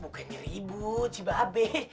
bukannya ribut si be